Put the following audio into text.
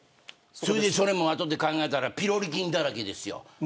それも後で考えたらピロリ菌だらけですよ。